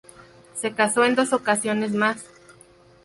Se casó en dos ocasiones más.